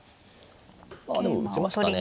まあでも打ちましたね。